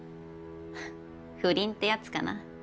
フッ不倫ってやつかな。